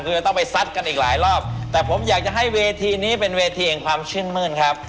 คือจะต้องไปซัดกันอีกหลายรอบแต่ผมอยากจะให้เวทีนี้เป็นเวทีแห่งความชื่นมื้นครับ